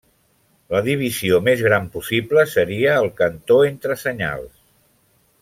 La divisió més gran possible seria el cantó entre senyals.